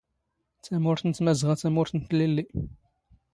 ⵜⴰⵎⵓⵔⵜ ⵏ ⵜⵎⴰⵣⵖⴰ ⵜⴰⵎⵓⵔⵜ ⵏ ⵜⵍⴻⵍⵍⵉ